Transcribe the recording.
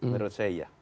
menurut saya ya